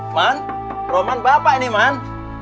man roman bapak ini man